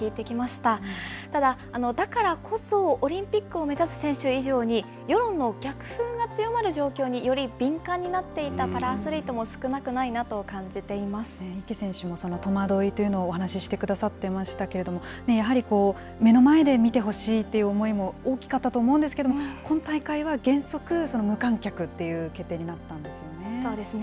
ただだからこそ、オリンピックを目指す選手以上に、世論の逆風が強まる状況により敏感になっていたパラアスリートも池選手もその戸惑いというのをお話ししてくださっていましたけれども、やはり目の前で見てほしいっていう思いも大きかったと思うんですけど、今大会は原則、無観客っていう決定になったんですよね。